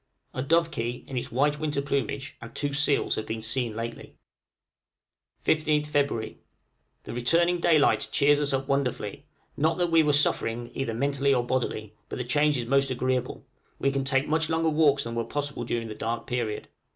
A dovekie, in its white winter plumage, and two seals have been seen lately. {FEB., 1858.} 15th Feb. The returning daylight cheers us up wonderfully not that we were suffering, either mentally or bodily, but the change is most agreeable; we can take much longer walks than were possible during the dark period.